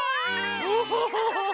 ウフフフフ。